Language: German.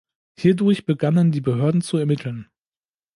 Hierdurch begannen die Behörden zu ermitteln.